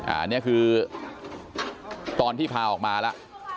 อันนี้คือตอนที่พาออกมาแล้ว